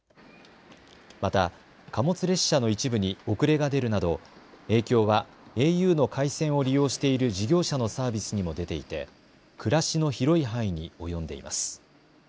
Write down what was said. また貨物列車の一部に遅れが出るなど影響はａｕの回線を利用している事業者のサービスにも出ていて暮らしの広い範囲に及んでいます。